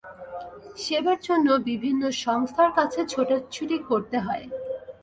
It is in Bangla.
সেবার জন্য বিভিন্ন সংস্থার কাছে ছোটাছুটি করতে হয়।